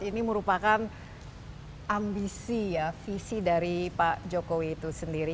ini merupakan ambisi ya visi dari pak jokowi itu sendiri